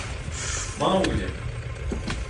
— Маугли!